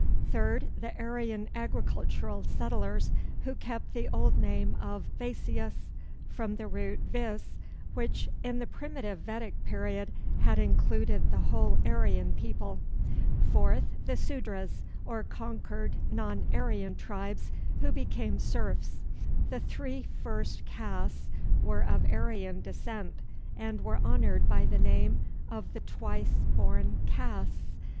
Third, the Aryan agricultural settlers, who kept the old name of Vaisyas, from the root vis, which in the primitive Vedic period had included the whole Aryan people. Fourth, the Sudras, or conquered non Aryan tribes, who became serfs. The three first castes were of Aryan descent, and were honored by the name of the Twice born Castes.